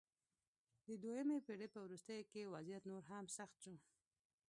د دویمې پېړۍ په وروستیو کې وضعیت نور هم سخت شو